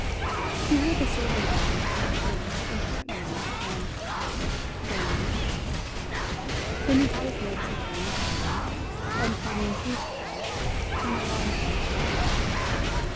He heard the servant girl rushing importantly round the house, slamming windows. Then he caught a glimpse of her in the garden, unpegging tea towels from the line across the lawn.